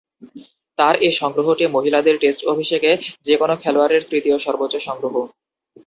তার এ সংগ্রহটি মহিলাদের টেস্ট অভিষেকে যে-কোন খেলোয়াড়ের তৃতীয় সর্বোচ্চ সংগ্রহ।